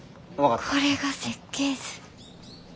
これが設計図。